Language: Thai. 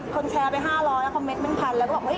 กรรณีสิทธิ์